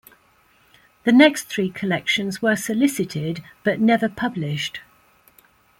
The next three collections were solicited, but never published.